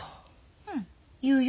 うん言うよ。